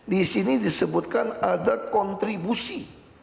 disini disebutkan ada kontribusi